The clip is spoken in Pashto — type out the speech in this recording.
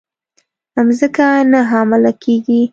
مځکه نه حامله کیږې